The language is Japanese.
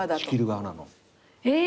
え！